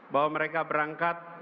bahwa mereka berangkat